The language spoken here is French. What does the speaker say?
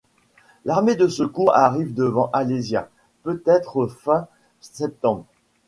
L'armée de secours arrive devant Alésia peut-être fin septembre.